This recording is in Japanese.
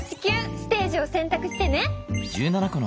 ステージをせんたくしてね！